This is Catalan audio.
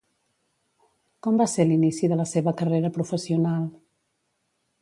Com va ser l'inici de la seva carrera professional?